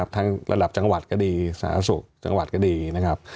ทั้งระดับจังหวัดก็ดีศาสตร์ศักดิ์ศูกร์จังหวัดก็ดีนะครับ